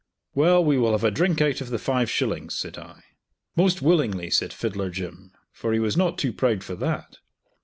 "Well, we will have a drink out of the five shillings," said I. "Most, willingly," said Fiddler Jim; for he was not too proud for that.